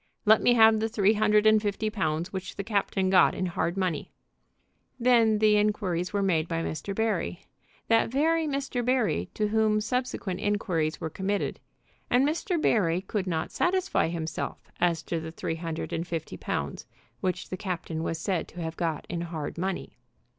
"Let me have the three hundred and fifty pounds which the captain got in hard money." Then the inquiries were made by Mr. Barry, that very Mr. Barry to whom subsequent inquiries were committed, and Mr. Barry could not satisfy himself as to the three hundred and fifty pounds which the captain was said to have got in hard money.